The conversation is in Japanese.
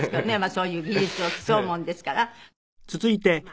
そういう技術を競うものですから。